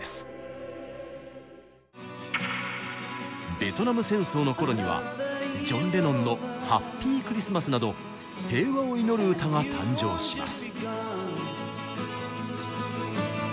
ベトナム戦争の頃にはジョン・レノンの「ＨａｐｐｙＸｍａｓ」など平和を祈る歌が誕生します。